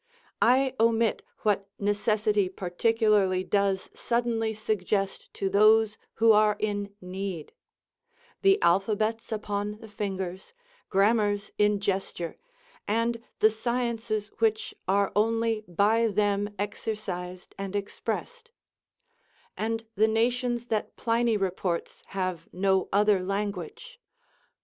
I omit what necessity particularly does suddenly suggest to those who are in need; the alphabets upon the fingers, grammars in gesture, and the sciences which are only by them exercised and expressed; and the nations that Pliny reports have no other language.